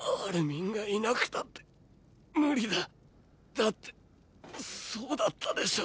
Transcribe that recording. だってそうだったでしょ？